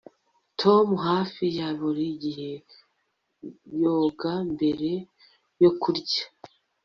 Tom hafi ya buri gihe yoga mbere yo kurya